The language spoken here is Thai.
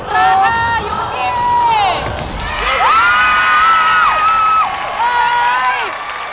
ราคาอยู่เมื่อกี้